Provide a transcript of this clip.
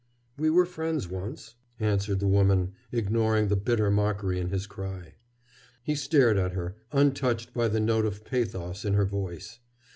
"We were friends once," answered the woman, ignoring the bitter mockery in his cry. He stared at her, untouched by the note of pathos in her voice.